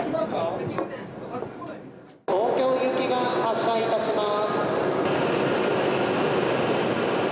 東京行きが発車いたします。